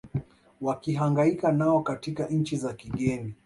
wakihangaika nao katika nchi za kigeni